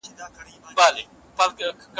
په ټولنه کې فساد نه شته.